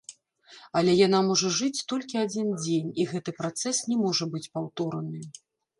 Але яна можа жыць толькі адзін дзень, і гэты працэс не можа быць паўтораны.